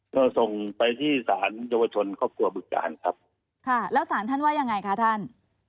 ก็ส่งไปที่ศาลเยาวชนครอบครัวบุตรการครับค่ะแล้วสารท่านว่ายังไงคะท่าน